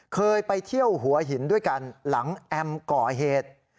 เคยไปเที่ยวหัวหินด้วยกันหลังแอมก่อเหตุ